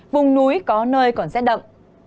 vùng núi có nơi còn rét đậm